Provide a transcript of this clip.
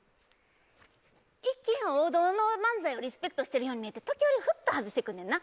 一見王道の漫才をリスペクトしてるように見えて時折ふっと外してくんねんな。